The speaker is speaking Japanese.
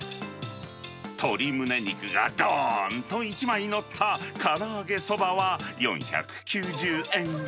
鶏ムネ肉がどーんと１枚載った、からあげそばは４９０円。